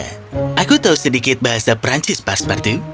eh aku tahu sedikit bahasa prancis pastor patu